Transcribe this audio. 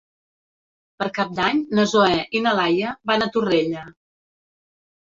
Per Cap d'Any na Zoè i na Laia van a Torrella.